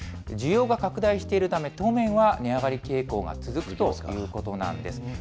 需要が拡大しているため、当面は値上がり傾向が続くということなんです。